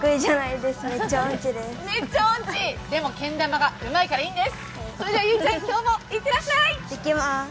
でもけん玉がうまいからいいんです。